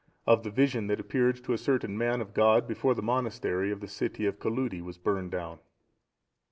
Of the vision that appeared to a certain man of God before the monastery of the city Coludi was burned down.